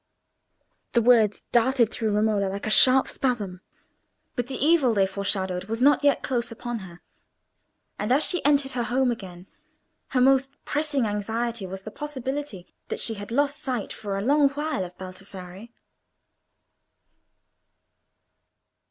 The words darted through Romola like a sharp spasm; but the evil they foreshadowed was not yet close upon her, and as she entered her home again, her most pressing anxiety was the possibility that she had lost sight for a long while of Baldassarre.